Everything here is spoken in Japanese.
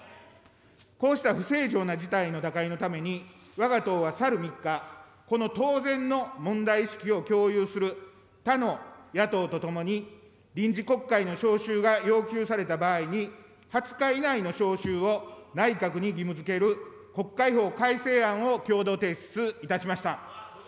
こうした不正常な事態の打開のために、わが党は去る３日、この当然の問題意識を共有する他の野党とともに、臨時国会の召集が要求された場合に、２０日以内の召集を内閣に義務づける国会法改正案を共同提出いたしました。